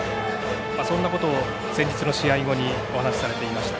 そんなことを先日の試合後にお話しされていました。